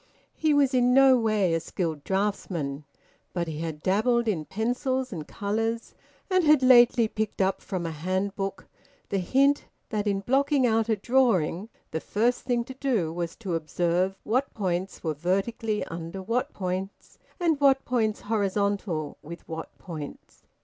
He was in no way a skilled draughtsman, but he had dabbled in pencils and colours, and he had lately picked up from a handbook the hint that in blocking out a drawing the first thing to do was to observe what points were vertically under what points, and what points horizontal with what points.